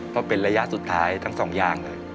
เพราะเป็นระยะสุดท้ายทั้งสองอย่างเลย